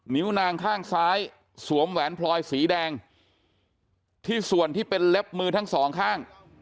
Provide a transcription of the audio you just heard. นิ้วนางข้างซ้ายสวมแหวนพลอยสีแดงที่ส่วนที่เป็นเล็บมือทั้งสองข้าง